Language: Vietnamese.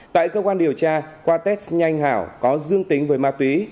tại cơ quan điều tra qua test nhanh hảo có dương tính với ma túy